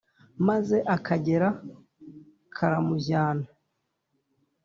maze akagera karamujyana.